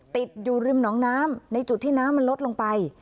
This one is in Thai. ติดอยู่ริมหนองน้ำในจุดที่น้ำมันลดลงไป